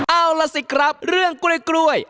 เอาล่ะสิครับเรื่องกล้วย